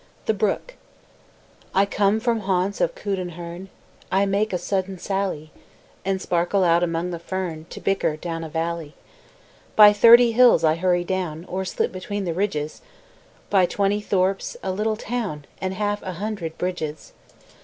THE BROOK I come from haunts of coot and hern, I make a sudden sally, And sparkle out among the fern, To bicker down a valley. By thirty hills I hurry down, Or slip between the ridges, By twenty thorps, a little town, And half a hundred bridges.